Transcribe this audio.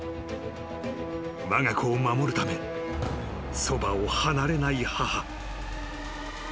［わが子を守るためそばを離れない母］